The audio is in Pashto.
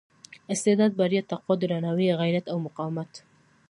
استعداد بریا تقوا درناوي غیرت او مقاومت.